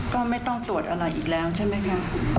ก็ไม่ต้องตรวจอะไรอีกแล้วใช่ไหมคะ